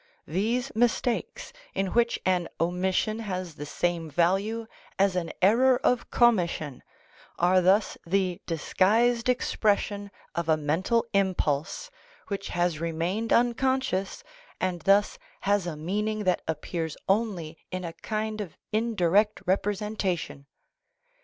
These mistakes, in which an omission has the same value as an error of commission, are thus the disguised expres sion of a mental impulse which has remained unconscious and thus has a meaning that appears only in a kind of indirect representa tion.